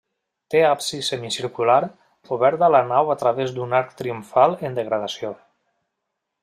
Té absis semicircular, obert a la nau a través d'un arc triomfal en degradació.